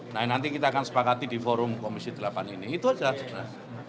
nah nanti kita akan sepakati di forum komisi delapan ini itu saja